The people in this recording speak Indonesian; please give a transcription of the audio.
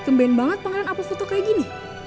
kemben banget pangeran apa foto kayak gini